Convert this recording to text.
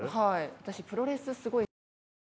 私プロレスすごい好きなんですよ。